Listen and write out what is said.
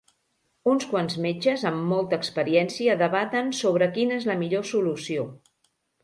Uns quants metges amb molta experiència debaten sobre quina és la millor solució.